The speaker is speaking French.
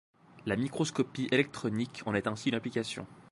La microscopie électronique en est ainsi une application.